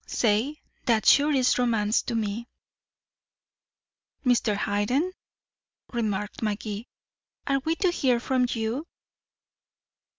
Say that sure is romance to me." "Mr. Hayden," remarked Magee, "are we to hear from you?"